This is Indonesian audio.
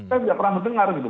saya tidak pernah mendengar gitu